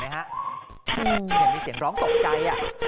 เห็นมีเสียงร้องตกใจ